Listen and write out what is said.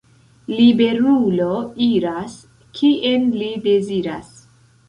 Liberulo iras, kien li deziras!